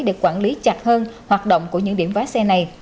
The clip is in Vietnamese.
để quản lý chặt hơn hoạt động của những điểm váy xe này